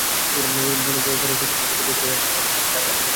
বনু বকরের সাহায্যে কতিপয় কুরাইশ আমার অনুমতি না নিয়ে গেলে সেটা আমার অপরাধ নয়।